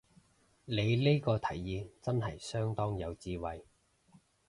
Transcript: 你呢個提議真係相當有智慧